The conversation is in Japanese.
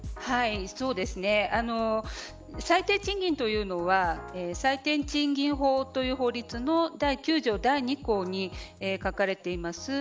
最低賃金というのは最低賃金法という法律の第９条第２項に書かれています。